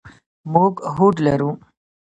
موږ هوډ لرو.